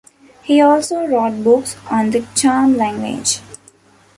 He also wrote books on the Cham language.